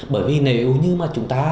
bởi vì nếu như mà chúng ta